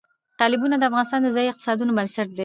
تالابونه د افغانستان د ځایي اقتصادونو بنسټ دی.